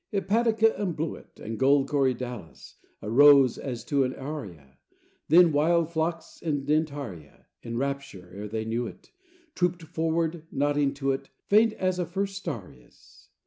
Hepatica and bluet, And gold corydalis, Arose as to an aria; Then wild phlox and dentaria, In rapture, ere they knew it, Trooped forward, nodding to it, Faint as a first star is.